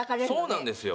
そうなんですよ。